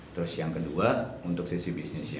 terus yang kedua untuk sisi bisnisnya